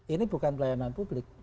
ini bukan pelayanan publik